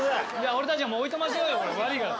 俺たちはもうおいとましようよ悪いから。